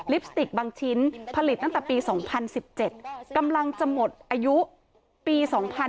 สติกบางชิ้นผลิตตั้งแต่ปี๒๐๑๗กำลังจะหมดอายุปี๒๕๕๙